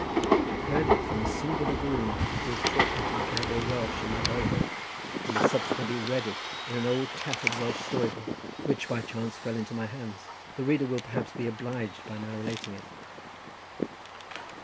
I had heard it from the singular groom, who had taught me to gabble Welsh in my boyhood, and had subsequently read it in an old tattered Welsh story book, which by chance fell into my hands. The reader will perhaps be obliged by my relating it.